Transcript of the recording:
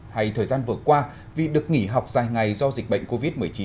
hay thời gian vừa qua vì được nghỉ học dài ngày do dịch bệnh covid một mươi chín